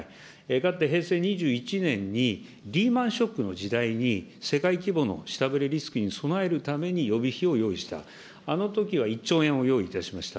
かつて平成２１年に、リーマンショックの時代に、世界規模の下振れリスクに備えるために予備費を用意した、あのときは１兆円を用意いたしました。